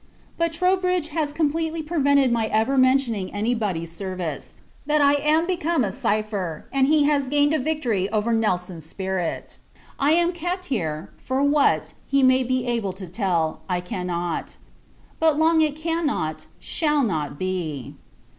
But Troubridge has so completely prevented my ever mentioning any body's service, that I am become a cypher, and he has gained a victory over Nelson's spirit. I am kept here; for what, he may be able to tell, I cannot: but long it cannot, shall not, be.